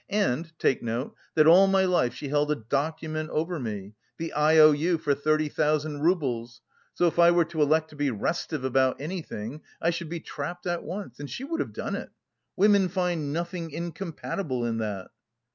And, take note, that all my life she held a document over me, the IOU for thirty thousand roubles, so if I were to elect to be restive about anything I should be trapped at once! And she would have done it! Women find nothing incompatible in that."